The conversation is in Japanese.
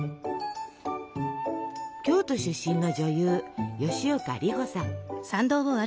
京都出身の女優吉岡里帆さん。